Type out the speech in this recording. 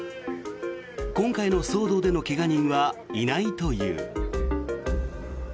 今回の騒動での怪我人はいないという。